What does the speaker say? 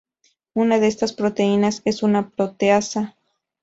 Una de estas proteínas es una proteasa.